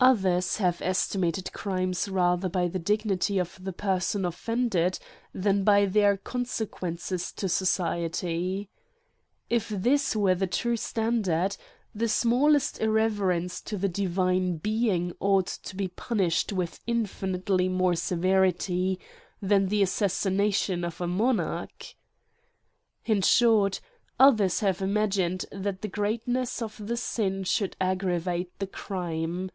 Others have estimated crimes rather by the dig nity of the person offended than by their conse quences to society. If this were the true stand ardj the smallest irreverence to the Divine Being E 34, AN ESSAY ON ought to be punished with infinitely more severity than the assassination of a monarch. In short, others have imagined, that the great ness of the sin should aggravate the crime.